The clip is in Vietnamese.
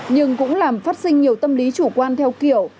nhưng cũng làm phát sinh nhiều tâm lý chủ quan theo kiểu